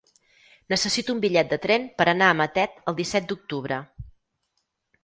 Necessito un bitllet de tren per anar a Matet el disset d'octubre.